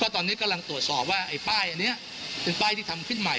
ตอนนี้กำลังตรวจสอบว่าไอ้ป้ายอันนี้เป็นป้ายที่ทำขึ้นใหม่